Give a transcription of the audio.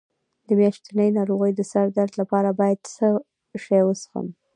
د میاشتنۍ ناروغۍ د سر درد لپاره باید څه شی وڅښم؟